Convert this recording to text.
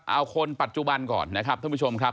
เอาคนปัจจุบันก่อนนะครับท่านผู้ชมครับ